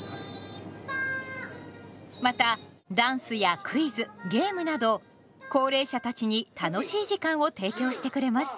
またダンスやクイズゲームなど高齢者たちに楽しい時間を提供してくれます。